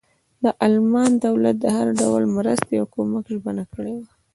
د المان دولت د هر ډول مرستې او کمک ژمنه کړې وه.